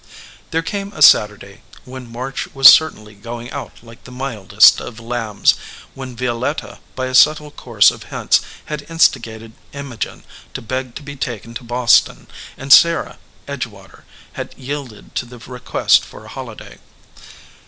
There came a Saturday, when March was cer tainly going out like the mildest of lambs, when Violetta by a subtle course of hints had instigated Imogen to beg to be taken to Boston and Sarah Edgewater had yielded to the request for a holiday.